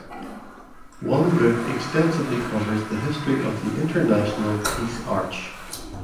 One book extensively covers the history of the International Peace Arch.